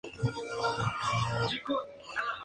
La canción fue compuesta por Morrissey y Jesse Tobias.